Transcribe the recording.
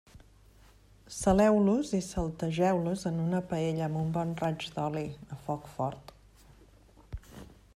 Saleu-los i saltegeu-los en una paella amb un bon raig d'oli, a foc fort.